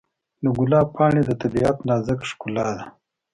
د ګلاب پاڼې د طبیعت نازک ښکلا ده.